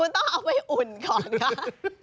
คุณต้องเอาไปอุ่นก่อนครับ